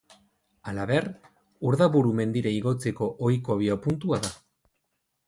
Halaber, Urdaburu mendira igotzeko ohiko abiapuntua da.